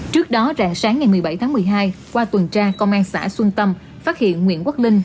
trước đó rạng sáng ngày một mươi bảy tháng một mươi hai qua tuần tra công an xã xuân tâm phát hiện nguyễn quốc linh